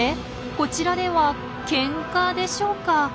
こちらではケンカでしょうか。